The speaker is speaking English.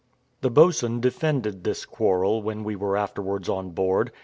The boatswain defended this quarrel when we were afterwards on board.